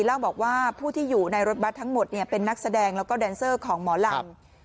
เล่าบอกว่าผู้ที่อยู่ในรถบัตรทั้งหมดเป็นนักแสดงแล้วก็แดนเซอร์ของหมอลำ